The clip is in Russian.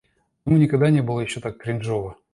Ему ещё никогда не было так кринжово.